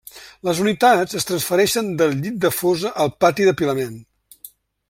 Les unitats es transfereixen del llit de fosa al pati d'apilament.